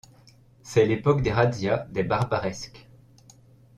C'est l'époque des razzias des Barbaresques.